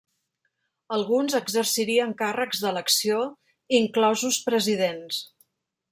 Alguns exercirien càrrecs d'elecció, inclosos presidents.